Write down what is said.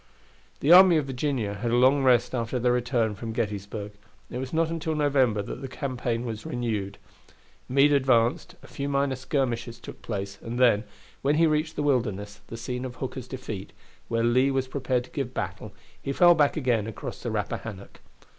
The army of Virginia had a long rest after their return from Gettysburg, and it was not until November that the campaign was renewed. Meade advanced, a few minor skirmishes took place, and then, when he reached the Wilderness, the scene of Hooker's defeat, where Lee was prepared to give battle, he fell back again across the Rappahannock.